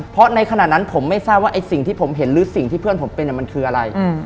เพราะในขณะนั้นผมไม่ทราบว่าไอ้สิ่งที่ผมเห็นหรือสิ่งที่เพื่อนผมเป็นมันคืออะไร